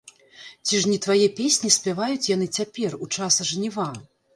Ці ж не твае песні спяваюць яны цяпер, у часе жніва!